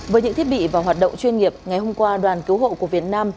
với những thiết bị và hoạt động chuyên nghiệp ngày hôm qua đoàn cứu hộ của việt nam